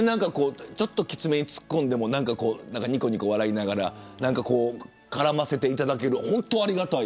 きつめにツッコんでもにこにこ笑いながら絡ませていただける本当にありがたい。